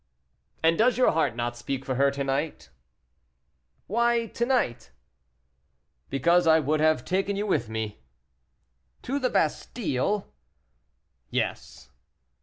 "And does your heart not speak for her to night?" "Why to night?" "Because I would have taken you with me." "To the Bastile?" "Yes."